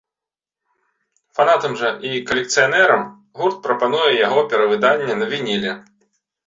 Фанатам жа і калекцыянерам гурт прапануе яго перавыданне на вініле.